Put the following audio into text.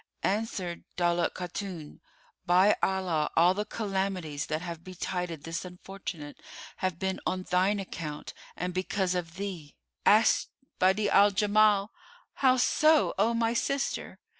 Answered Daulat Khatun, "By Allah, all the calamities that have betided this unfortunate have been on thine account and because of thee!" Asked Badi'a al Jamal, "How so, O my sister?"